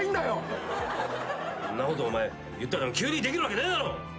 んなことお前急にできるわけねえだろ！